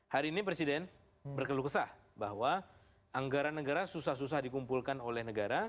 hari ini presiden berkeluh kesah bahwa anggaran negara susah susah dikumpulkan oleh negara